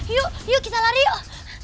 yuk yuk kita lari oh